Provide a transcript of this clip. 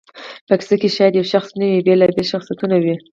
په کیسه کښي شاید یو شخص نه وي، بېلابېل شخصیتونه وي.